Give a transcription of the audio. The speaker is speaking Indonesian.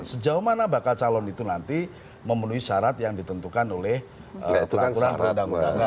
sejauh mana bakal calon itu nanti memenuhi syarat yang ditentukan oleh peraturan perundang undangan